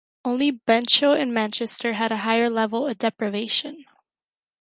Only Benchill in Manchester had a higher level of deprivation.